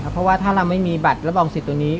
เพราะว่าถ้าเราไม่มีบัตรรับรองสิทธิ์ตัวนี้